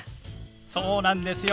そうなんですよ。